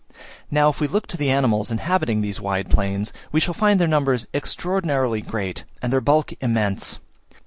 Now, if we look to the animals inhabiting these wide plains, we shall find their numbers extraordinarily great, and their bulk immense.